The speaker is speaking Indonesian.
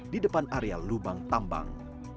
di depan area lubang tambang